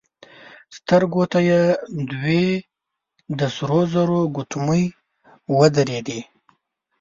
سترګو ته يې دوې د سرو زرو ګوتمۍ ودرېدې.